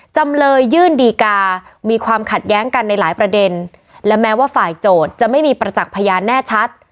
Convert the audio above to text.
จำเลยยื่นดีกามีความขัดแย้งกันในหลายประเด็นและแม้ว่าฝ่ายโจทย์จะไม่มีประจักษ์พยานแน่ชัด